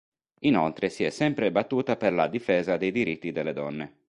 Inoltre si è sempre battuta per la difesa dei diritti delle donne.